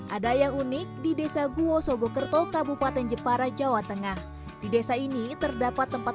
ada yang unik di desa guo sogokerto kabupaten jepara jawa tengah di desa ini terdapat tempat